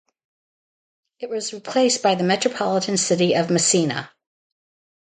It was replaced by the Metropolitan City of Messina.